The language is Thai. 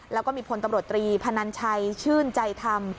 แล้วก็มีพลตำรวจตรีพนันชัยชื่นใจธรรม